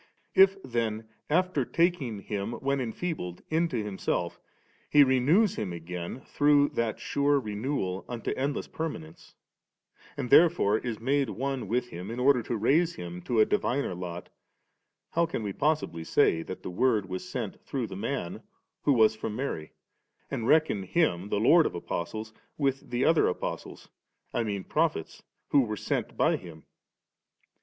If then after taking him, when enfeebled^, into Himself He renews him again through that sure renewal unto endless permanence, and therefore is made one with him in order to raise him to a diviner lot, how can we possibly say that the Word was sent through the Man who was firom Mary, and reckon Him, the Lord of Apostles, with the other Apostles, I mean prophet^ who were sent by Him